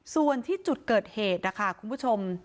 ส่วนที่จุดเกิดเหตุนะคะคุณผู้ชม